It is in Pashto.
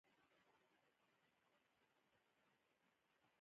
ځینې شتمنۍ د ارث له لارې ترلاسه شوې وي.